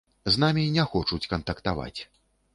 З намі не хочуць кантактаваць.